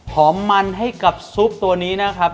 หอมมันให้กับซุปตัวนี้นะครับ